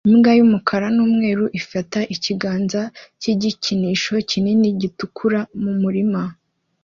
Imbwa y'umukara n'umweru ifata ikiganza cy'igikinisho kinini gitukura mu murima